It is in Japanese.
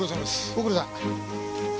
ご苦労さん。